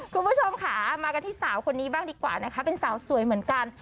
คุณผู้ชมค่ะมากันที่สาวคนนี้บ้างดีกว่านะคะเป็นสาวสวยเหมือนกัน